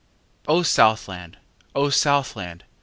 O SOUTHLAND! O Southland!